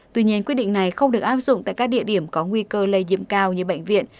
tuy nhiên quyết định này không được áp dụng tại các địa điểm có nguy cơ lây nhiễm cao như bệnh viện